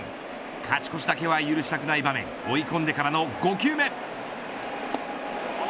勝ち越しだけは許したくない場面追い込んでからの５球目。